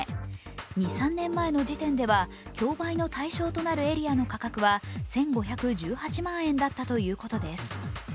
２３年前の時点では競売の対象となるエリアの価格は１５１８万円だったということです。